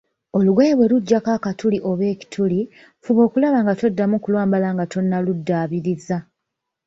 Olugoye bwe lujjako akatuli oba ekituli, fuba okulaba nga toddamu kulwambala nga tonnaluddaabiriza.